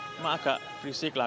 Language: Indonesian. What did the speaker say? cuma agak berisik lah